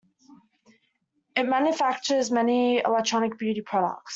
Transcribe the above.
It manufactures many electronic beauty products.